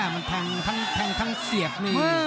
มันแทงทั้งเสียบนี่